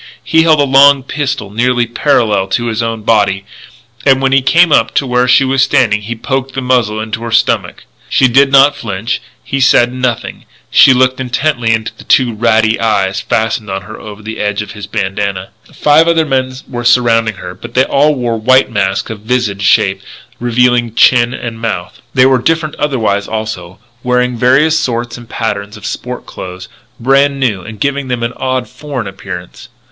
He held a long pistol nearly parallel to his own body; and when he came up to where she was standing he poked the muzzle into her stomach. She did not flinch; he said nothing; she looked intently into the two ratty eyes fastened on her over the edge of his bandanna. Five other men were surrounding her, but they all wore white masks of vizard shape, revealing chin and mouth. They were different otherwise, also, wearing various sorts and patterns of sport clothes, brand new, and giving them an odd, foreign appearance.